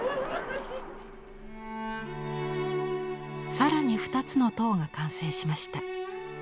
更に２つの塔が完成しました。